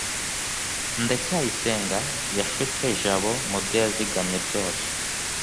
ndacyayisenga yashutse jabo mubyo yazigamye byose